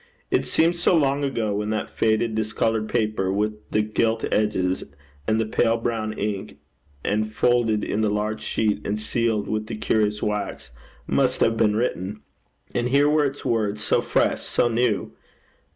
It seemed so long ago when that faded, discoloured paper, with the gilt edges, and the pale brown ink, and folded in the large sheet, and sealed with the curious wax, must have been written; and here were its words so fresh, so new!